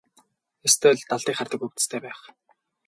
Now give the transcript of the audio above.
Ёстой л далдыг хардаг увдистай байх.